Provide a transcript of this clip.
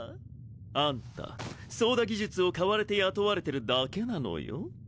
あんた操舵技術を買われて雇われてるだけなのよ？